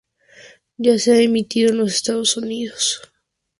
Ya se ha emitido en los Estados Unidos.